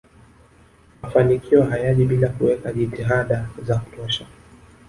mafanikio hayaji bila kuweka jitihada za kutosha